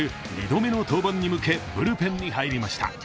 ２度目の登板に向け、ブルペンに入りました。